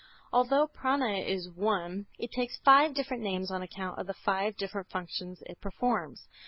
Although Prâna is one, it takes five different names on account of the five different functions it performs.